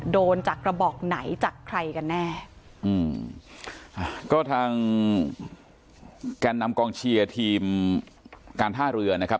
โดนจากกระบอกไหนจากใครกันแน่อืมอ่าก็ทางแกนนำกองเชียร์ทีมการท่าเรือนะครับ